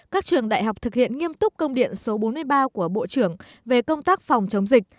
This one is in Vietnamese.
các trường đại học thực hiện nghiêm túc công điện số bốn mươi ba của bộ trưởng về công tác phòng chống dịch